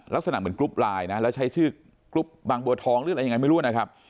ลักษณะเหมือนกรุ๊ปไลน์นะแล้วใช้ชื่อกรุ๊ปบางบัวทองหรืออะไรยังไงไม่รู้นะครับ